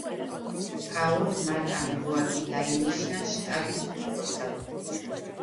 ტაურ მატან რუაკი დაინიშნა შტაბის უფროსად.